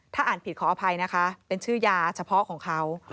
ถ้าอ่านผิดขออภัยนะคะเป็นชื่อยาเฉพาะของเขา